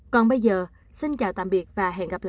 còn bây giờ xin chào tạm biệt và hẹn gặp lại